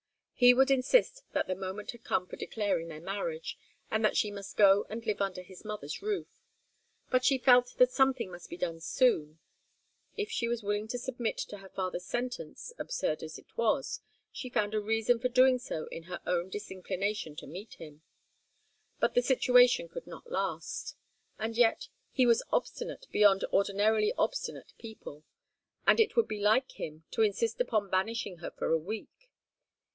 He would insist that the moment had come for declaring their marriage, and that she must go and live under his mother's roof. But she felt that something must be done soon. If she was willing to submit to her father's sentence, absurd as it was, she found a reason for doing so in her own disinclination to meet him. But the situation could not last. And yet, he was obstinate beyond ordinarily obstinate people, and it would be like him to insist upon banishing her for a week.